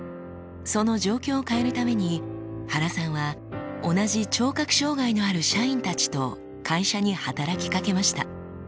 その状況を変えるために原さんは同じ聴覚障がいのある社員たちと会社に働きかけました。